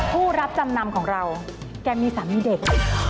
ผู้รับจำนำของเราแกมีสามีเด็ก